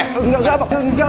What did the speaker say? enggak enggak enggak